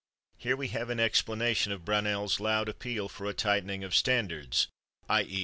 Here we have an explanation of Brownell's loud appeal for a tightening of standards—_i. e.